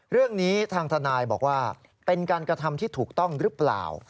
เรื่องนี้ทางทนายบอกว่าเป็นการกระทำที่ถูกต้องหรือเปล่า